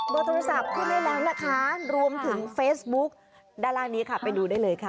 เบอร์โทรศัพท์ที่ได้แล้วนะคะรวมถึงเฟซบุ๊กดารานี้ค่ะไปดูได้เลยค่ะ